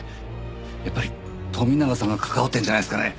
やっぱり富永さんが関わってるんじゃないですかね。